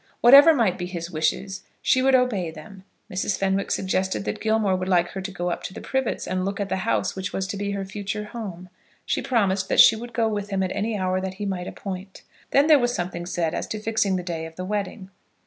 Whatever might be his wishes, she would obey them. Mrs. Fenwick suggested that Gilmore would like her to go up to the Privets, and look at the house which was to be her future home. She promised that she would go with him at any hour that he might appoint. Then there was something said as to fixing the day of the wedding.